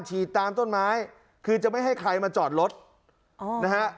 ฉีดตามต้นไม้คือจะไม่ให้ใครมาจอดรถอ๋อนะฮะ